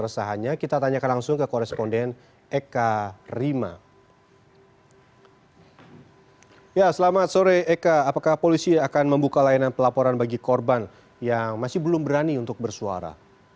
ya selamat sore eka apakah polisi akan membuka layanan pelaporan bagi korban yang masih belum berani untuk bersuara